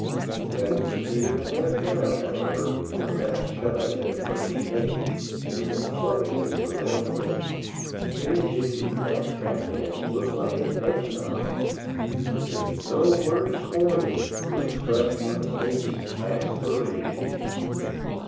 We hadn't proceeded a half mile, however, before Mac shied at a bunch of hay, and ran plumb against a rail fence; in a jiffy that jackass looked like an egg nog. There is no word coined to express my eggs ass peration.